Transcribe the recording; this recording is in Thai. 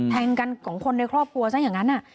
แทงกันของคนในครอบครัวซะอย่างนั้น